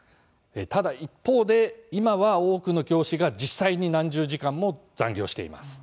一方で今は多くの教師が実際に何十時間も残業しています。